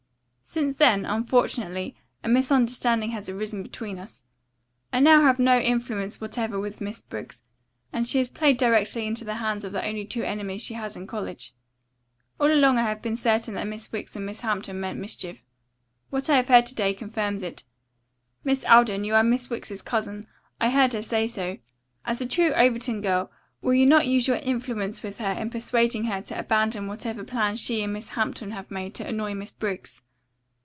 "Since then, unfortunately, a misunderstanding has arisen between us. I have now no influence whatever with Miss Briggs, and she has played directly into the hands of the only two enemies she has in college. All along I have been certain that Miss Wicks and Miss Hampton meant mischief. What I have heard to day confirms it. Miss Alden, you are Miss Wicks's cousin. I heard her say so. As a true Overton girl, will you not use your influence with her in persuading her to abandon whatever plan she and Miss Hampton have made to annoy Miss Briggs?"